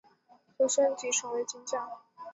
可升级成为金将。